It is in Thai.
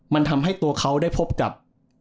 มันทำให้ตัวเขาได้พบกับ